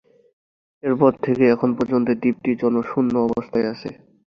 এরপর থেকে এখন পর্যন্ত দ্বীপটি জনশূন্য অবস্থায় আছে।